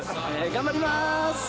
頑張ります。